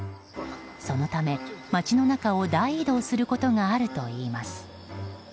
そのため、街の中を大移動することがあるといいます。